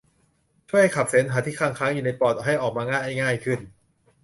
ช่วยให้ขับเสมหะที่คั่งค้างอยู่ในปอดให้ออกมาได้ง่ายขึ้น